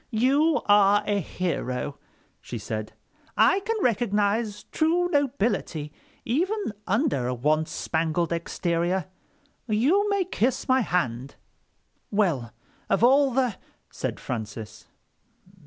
"You are a hero," she said. "I can recognize true nobility even under a once spangled exterior. You may kiss my hand." "Well, of all the...." said Francis.